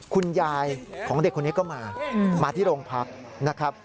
คุณยายของเด็กคนนี้ก็มามาที่โรงพักนะครับ